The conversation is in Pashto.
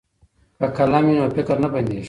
که قلم وي نو فکر نه بندیږي.